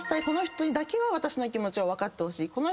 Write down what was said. この人にだけは私の気持ちを分かってほしい。